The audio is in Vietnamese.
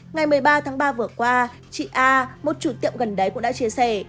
ngày một mươi ba tháng ba vừa qua chị a một chủ tiệm gần đấy cũng đã chia sẻ